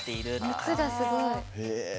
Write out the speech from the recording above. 熱がすごい！